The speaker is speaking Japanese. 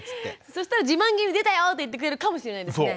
そしたら自慢げに「出たよ！」って言ってくれるかもしれないですね。